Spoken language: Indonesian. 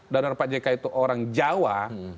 dan orang pak jk itu orang jawa